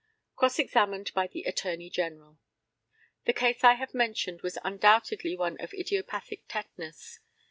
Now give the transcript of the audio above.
Cross examined by the ATTORNEY GENERAL: The case I have mentioned was undoubtedly one of idiopathic tetanus.